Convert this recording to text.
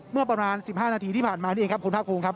เมื่อประมาณ๑๕นาทีที่ผ่านมานี่เองครับคุณภาคภูมิครับ